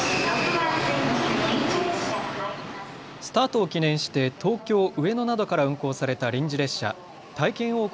スタートを記念して東京上野などから運行された臨時列車、体験王国